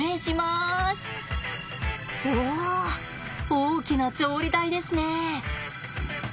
大きな調理台ですね。